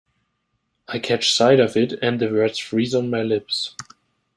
I catch sight of it, and the words freeze on my lips.